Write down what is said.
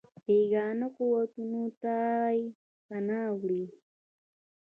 بېګانه قوتونو ته یې پناه وړې.